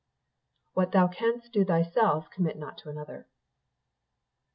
[WHAT THOU CANST DO THYSELF, COMMIT NOT TO ANOTHER.